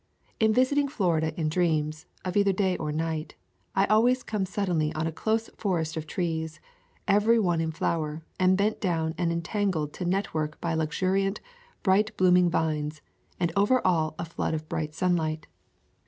In visiting Florida in dreams, of either day or night, I always came suddenly on a close forest of trees, every one in flower, and bent down and entangled to network by luxuriant, bright blooming vines, and over all a flood of bright sunlight.